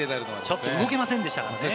ちょっと動けませんでしたからね。